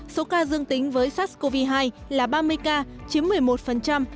số ca dương tính với sars cov hai là ba mươi ca chiếm một mươi một